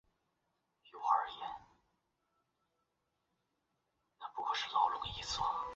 托勒密星团是位于天蝎座的一个疏散星团。